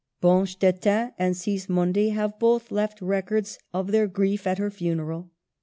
Bonstetten and Sismondi have both left records of their grief at her funeral.